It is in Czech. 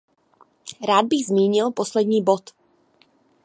Rád bych zmínil poslední bod.